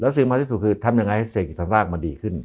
แล้วซึ่งมาที่สุดคือทำอย่างยังไงให้เศรษฐฤษฎาลราคมันดีขึ้น